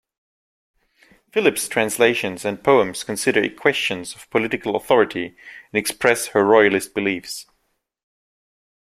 Philips's translations and poems consider questions of political authority and express her royalist beliefs.